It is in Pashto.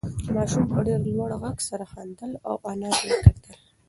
ماشوم په ډېر لوړ غږ سره خندل او انا ته یې کتل.